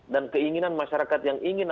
dan keinginan masyarakat yang ingin